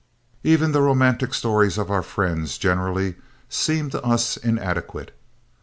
Even the romantic stories of our friends generally seem to us inadequate.